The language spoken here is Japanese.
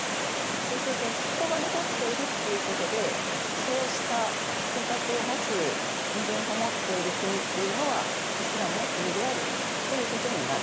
そうするとそこが残っているっていうことでそうした性格を持つ身分法を持っている国っていうのはイスラムの国であるということになる。